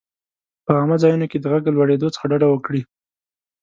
په عامه ځایونو کې د غږ لوړېدو څخه ډډه وکړه.